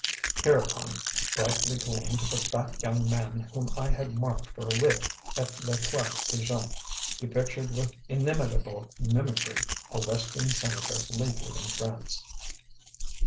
Hereupon brightly gleamed the fat young man whom I had marked for a wit at Les Trois Pigeons; he pictured with inimitable mimicry a western senator lately in France.